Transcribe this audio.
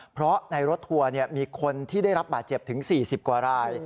เพราะในรถทัวร์มีคนที่ได้รับบาดเจ็บถึง๔๐กว่าราย